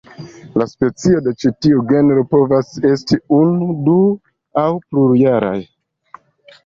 La specioj de ĉi tiu genro povas esti unu, du- aŭ plurjaraj.